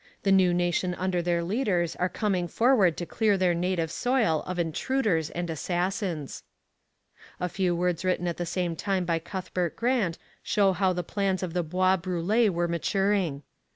The New Nation under their leaders are coming forward to clear their native soil of intruders and assassins.' A few words written at the same time by Cuthbert Grant show how the plans of the Bois Brûlés were maturing.